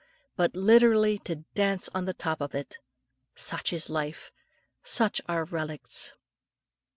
but literally to dance on the top of it. Such is life! Such are relicts!!